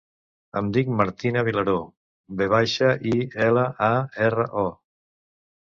Em dic Martina Vilaro: ve baixa, i, ela, a, erra, o.